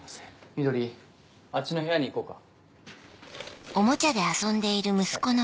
碧あっちの部屋に行こうか。